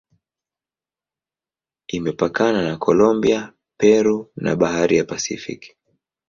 Imepakana na Kolombia, Peru na Bahari ya Pasifiki.